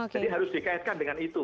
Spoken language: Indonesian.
jadi harus dikaitkan dengan itu